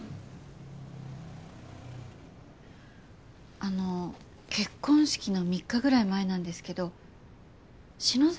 あの結婚式の３日ぐらい前なんですけど篠崎